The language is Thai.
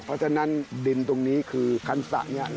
เพราะฉะนั้นดินตรงนี้คือคันสระเนี่ย